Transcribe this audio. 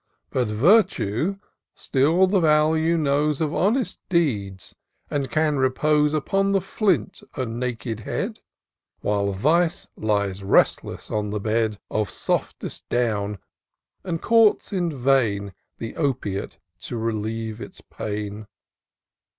But Virtue still the value knows Of honest deeds, and can repose Upon the flint her naked head, While Vice lays restless on the bed Of softest down^ and courts in vain The opiate to relieve its pain.